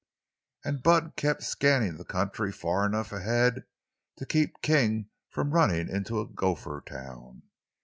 And Bud kept scanning the country far enough ahead to keep King from running into a gopher town.